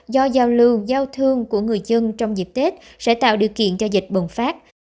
do giao lưu giao thương của người dân trong dịp tết sẽ tạo điều kiện cho dịch bùng phát